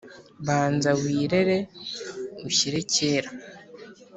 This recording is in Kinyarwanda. Banza wirere ushyire kera,